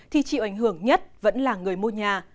thì chịu ảnh hưởng nhất vẫn là người mua nhà